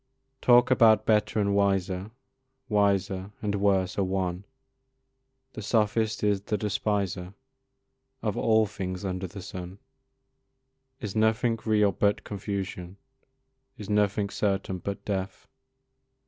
Talk about better and wiser, Wiser and worse are one, The sophist is the despiser Of all things under the sun; Is nothing real but confusion? Is nothing certain but death?